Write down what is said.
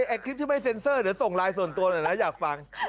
ไอ้คลิปที่ไม่เซ็นเซอร์เดี๋ยวส่งไลน์ส่วนตัวหน่อยนะอยากฟัง